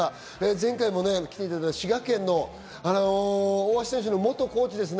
前回も来ていただいた滋賀県の大橋選手の元コーチですね。